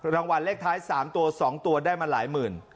รางวัลเลขท้าย๓ตัว๒ตัวได้มาหลายหมื่น